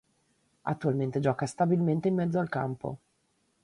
Attualmente gioca stabilmente in mezzo al campo.